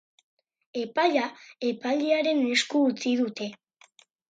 Epaia epailearen esku utzi dute.